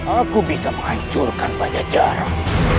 aku bisa menghancurkan pancajaran